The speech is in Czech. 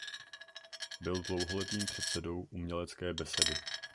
Byl dlouholetým předsedou Umělecké besedy.